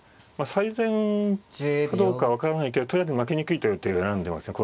最善かどうか分からないけどとりあえず負けにくい手を選んでますよ。